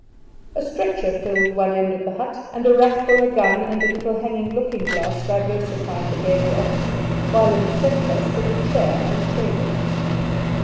A stretcher filled one end of the hut, and a rack for a gun and a little hanging looking glass diversified the gable opposite, while in the centre stood a chair and table.